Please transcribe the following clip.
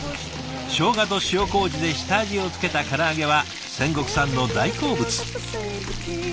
しょうがと塩麹で下味を付けたから揚げは仙石さんの大好物。